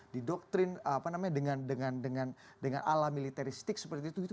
didoktrin dengan ala militeristik seperti itu